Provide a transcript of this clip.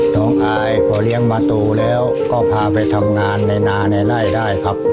อายพอเลี้ยงมาตูแล้วก็พาไปทำงานในนาในไล่ได้ครับ